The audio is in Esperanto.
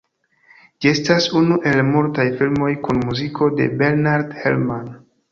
Ĝi estas unu el multaj filmoj kun muziko de Bernard Herrmann.